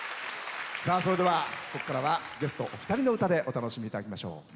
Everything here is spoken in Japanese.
それでは、ここからはゲストお二人の歌でお楽しみいただきましょう。